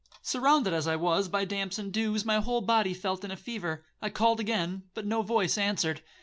Surrounded as I was by damps and dews, my whole body felt in a fever. I called again, but no voice answered.